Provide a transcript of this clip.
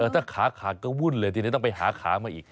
ถ้าขาขาดก็วุ่นเลยเอาใจจะไปหาขามาอีก